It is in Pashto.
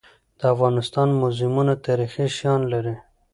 د افغانستان موزیمونه تاریخي شیان لري.